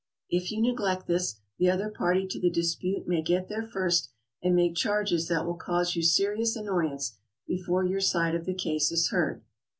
If you neglect this, the other party to the dispute may get there first and make charges that will cause you serious annoyance before your side of the case is heard.